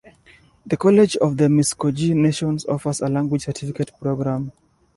The College of the Muscogee Nation offers a language certificate program.